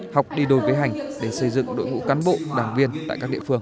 học đi đôi với hành để xây dựng đội ngũ cán bộ đảng viên tại các địa phương